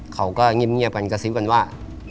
เขาก็เงียบกันกระซิบกันว่า